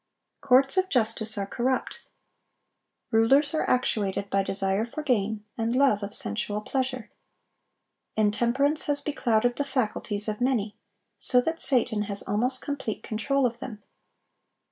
Courts of justice are corrupt. Rulers are actuated by desire for gain, and love of sensual pleasure. Intemperance has beclouded the faculties of many, so that Satan has almost complete control of them.